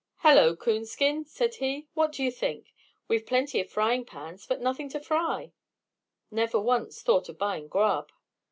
"Hello! Coonskin," said he, "what do you think? We've plenty of frying pans, but nothing to fry never once thought of buying grub."